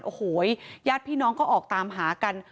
โอ้โหญาติพี่น้องก็ออกตามหากัน